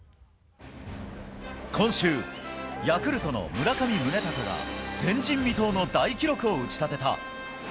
今週、ヤクルトの村上宗隆が前人未到の大記録を打ち立てた。